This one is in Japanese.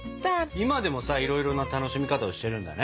今でもさいろいろな楽しみ方をしてるんだね。